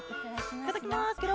いただきますケロ。